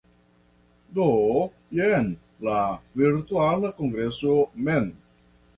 Do jen la Virtuala Kongreso mem.